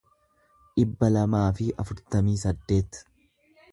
dhibba lamaa fi afurtamii saddeet